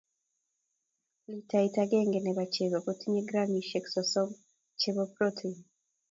Litait agenge nebo chego kotinye gramisyek sosom chebo protein.